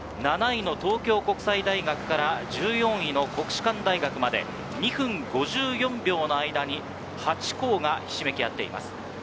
７位の東京国際大学から１４位の国士舘大学まで２分５４秒の間に８校がひしめき合っています。